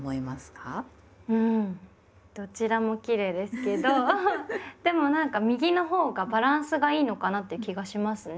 んどちらもきれいですけどでもなんか右のほうがバランスがいいのかなって気がしますね。